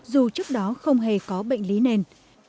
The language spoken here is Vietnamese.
dù trước đó không hề có bệnh lý nền